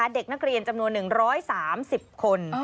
เด็กนักเรียนจำนวน๑๓๐คน